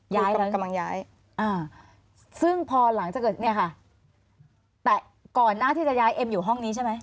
กำลังกำลังย้ายอ่าซึ่งพอหลังจากเกิดเนี่ยค่ะแต่ก่อนหน้าที่จะย้ายเอ็มอยู่ห้องนี้ใช่ไหม